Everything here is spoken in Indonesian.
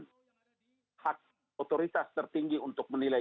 dan hak otoritas tertinggi untuk menilai